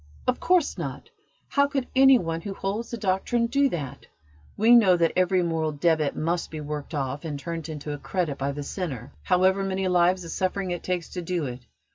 "Of course not! How could any one who holds the Doctrine do that? We know that every moral debit must be worked off and turned into a credit by the sinner, however many lives of suffering it takes to do it.